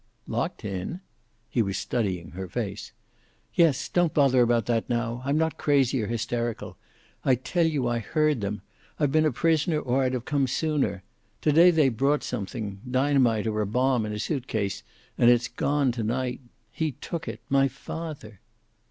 "Locked in?" He was studying her face. "Yes. Don't bother about that now. I'm not crazy or hysterical. I tell you I heard them. I've been a prisoner or I'd have come sooner. To day they brought something dynamite or a bomb in a suit case and it's gone to night. He took it my father."